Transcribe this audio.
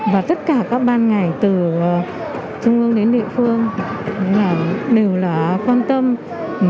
và tất cả các ban ngành từ trung ương đến địa phương đều là quan tâm